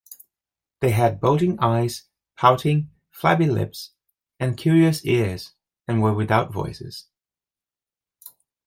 They had bulging eyes, pouting, flabby lips, and curious ears, and were without voices.